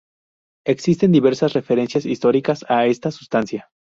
Existen diversas referencias históricas a esta sustancia.